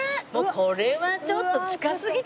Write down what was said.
これはちょっと近すぎてダメですね。